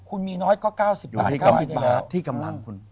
อยู่ที่กำลังคุณ